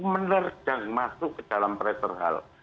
menerjang masuk ke dalam pereterhal